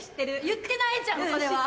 言ってないじゃんそれは。